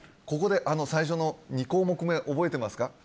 ここで最初の２項目目覚えてますか？